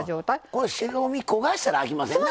これ白身焦がしたらあきませんな。